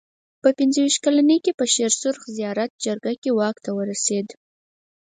په پنځه ویشت کلنۍ کې په شېر سرخ زیارت جرګه کې واک ته ورسېد.